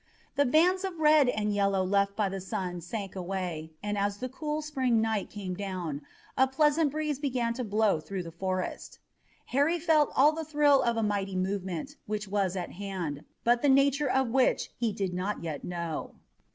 The bands of red and yellow left by the sun sank away, and as the cool, spring night came down, a pleasant breeze began to blow through the forest. Harry felt all the thrill of a mighty movement which was at hand, but the nature of which he did not yet know.